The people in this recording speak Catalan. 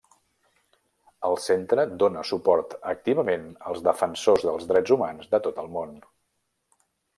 El Centre dóna suport activament als defensors dels drets humans de tot el món.